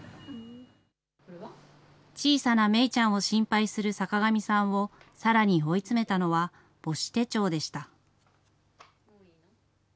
小さな芽ちゃんを心配する坂上さんを、さらに追い詰めたのは母子手帳でした。